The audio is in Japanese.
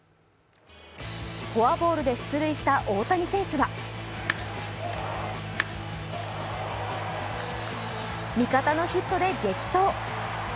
フォアボールで出塁した大谷選手は味方のヒットで激走。